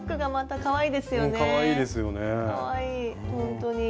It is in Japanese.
かわいい。